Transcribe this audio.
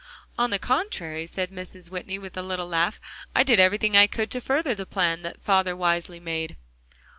"On the contrary," said Mrs. Whitney with a little laugh, "I did everything I could to further the plan that father wisely made."